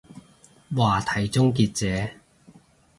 話題終結者